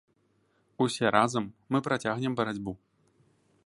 Усе разам, мы працягнем барацьбу.